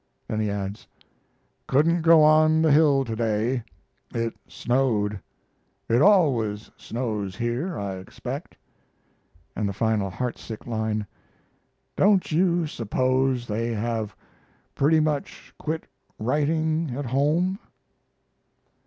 Then he adds: "Couldn't go on the hill to day. It snowed. It always snows here, I expect"; and the final heart sick line, "Don't you suppose they have pretty much quit writing at home?"